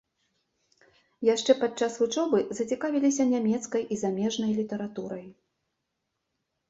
Яшчэ падчас вучобы зацікавіліся нямецкай і замежнай літаратурай.